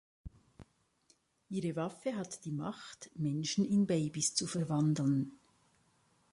Ihre Waffe hat die Macht Menschen in Babys zu verwandeln.